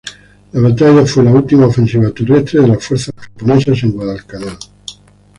La batalla fue la última ofensiva terrestre de las fuerzas japonesas en Guadalcanal.